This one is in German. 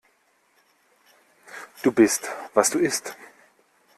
Du bist, was du isst.